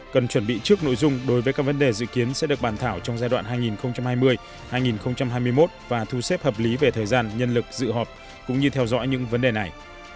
cần chuẩn bị trước nội dung đối với các vấn đề dự kiến sẽ được bàn thảo trong giai đoạn hai nghìn hai mươi hai nghìn hai mươi một và thu xếp hợp lý về thời gian nhân lực dự họp cũng như theo dõi những vấn đề này